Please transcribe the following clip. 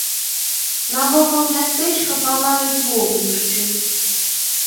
Навокал мястэчка палаюць вогнішчы.